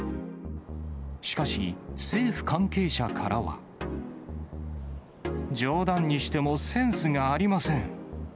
しかし、冗談にしてもセンスがありません。